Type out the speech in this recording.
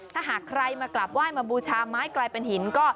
ถ้าหากใครมากราบไหว้มาบูชาไม้กลายเป็นหินก็